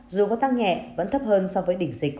dù có tăng nhẹ vẫn thấp hơn so với đỉnh dịch